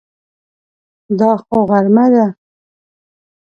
دا خو غرمه ده!